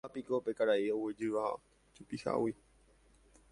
Mávapiko pe karai oguejýva jupihágui.